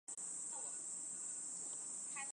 多分枝石竹为石竹科石竹属的植物。